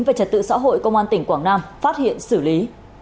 về trật tự xã hội công an tỉnh quảng nam phát hiện xử lý